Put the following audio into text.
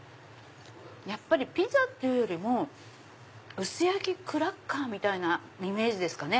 やっぱりピザっていうよりも薄焼きクラッカーみたいなイメージですかね。